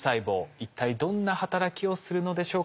一体どんな働きをするのでしょうか？